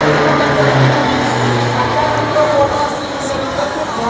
kami akan mencari teman yang bisa mencari pembawa